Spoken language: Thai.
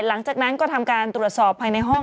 หลังจากนั้นก็ทำการตรวจสอบภายในห้อง